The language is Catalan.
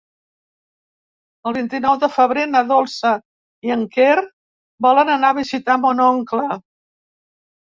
El vint-i-nou de febrer na Dolça i en Quer volen anar a visitar mon oncle.